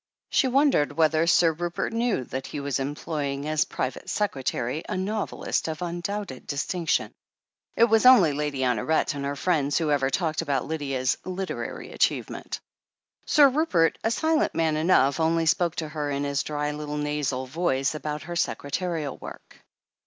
She wondered whether Sir Rupert knew that he was employing as private secretary a novelist of undoubted distinction. It was only Lady Honoret and her friends who ever talked about Lydia's literary achievement. Sir Rupert, a silent man enough, only spoke to her, in his dry little nasal voice, about her secretarial work.